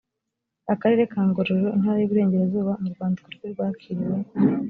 akarere ka ngororero intara y iburengerazuba mu rwandiko rwe rwakiriw